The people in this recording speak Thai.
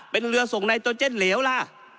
เป็นเรือส่งไนโตเจนเหลวล่ะ